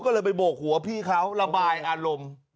ก็เลยไปโบกหัวพี่เขาระบายอารมณ์